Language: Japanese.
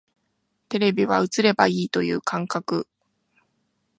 テレビは映ればいいという感覚